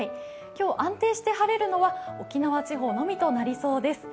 今日、安定して晴れるのは沖縄地方のみとなりそうです。